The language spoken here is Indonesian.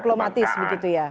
diplomatis begitu ya